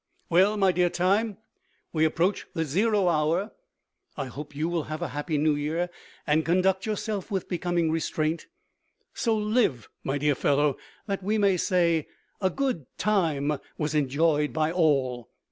Well, my dear Time, we approach the Zero Hour. I hope you will have a Happy New Year, and conduct yourself with becoming restraint. So live, my dear fellow, that we may say, "A good Time was enjoyed by all."